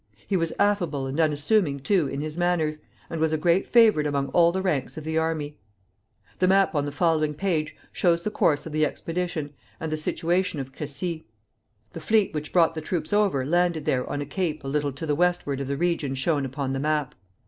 He was affable and unassuming, too, in his manners, and was a great favorite among all the ranks of the army. The map on the following page shows the course of the expedition, and the situation of Crecy. The fleet which brought the troops over landed there on a cape a little to the westward of the region shown upon the map.